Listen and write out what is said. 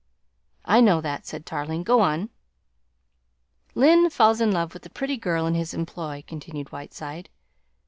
"I know that," said Tarling. "Go on." "Lyne falls in love with a pretty girl in his employ," continued Whiteside.